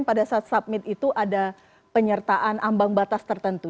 pada saat submit itu ada penyertaan ambang batas tertentu